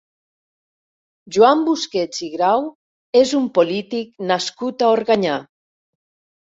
Joan Busquets i Grau és un polític nascut a Organyà.